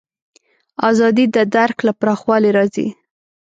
ازادي د درک له پراخوالي راځي.